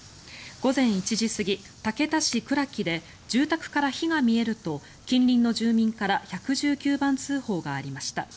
午前１時過ぎ、竹田市倉木で住宅から火が見えると近隣の住民から１１９番通報がありました。